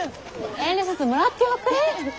遠慮せずもらっておくれ。